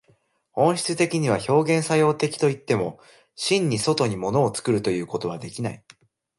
本質的には表現作用的といっても、真に外に物を作るということはできない。